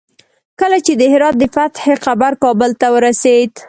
کله چې د هرات د فتح خبر کابل ته ورسېد.